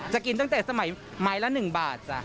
จะกินตั้งแต่สมัยไม้ละ๑บาทจ้ะ